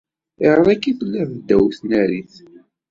Ayɣer akka ay telliḍ ddaw tnarit?